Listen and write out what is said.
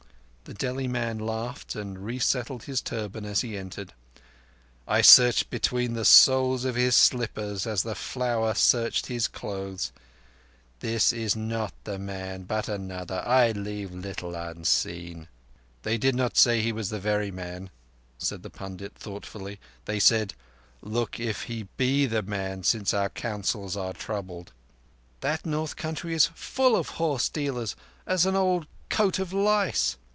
The Delhi man laughed and resettled his turban as he entered. "I searched between the soles of his slippers as the Flower searched his clothes. This is not the man but another. I leave little unseen." "They did not say he was the very man," said the pundit thoughtfully. "They said, 'Look if he be the man, since our counsels are troubled.'" "That North country is full of horse dealers as an old coat of lice.